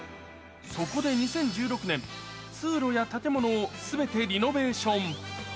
そこで２０１６年、通路や建物をすべてリノベーション。